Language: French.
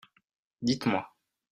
Dites-moi.